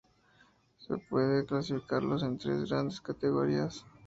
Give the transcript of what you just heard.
Se puede clasificarlos en tres grandes categorías.